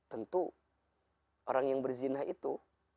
tentu orang yang berzina itu